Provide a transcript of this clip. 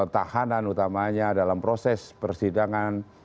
tahanan utamanya dalam proses persidangan